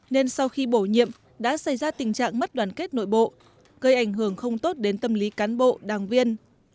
nên sau khi bổ nhiệm đã xảy ra tình trạng mất đoàn kết nội bộ gây ảnh hưởng không tốt đến tâm lý cán bộ đảng viên